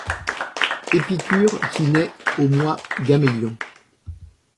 Épicure qui naît au mois Gamélion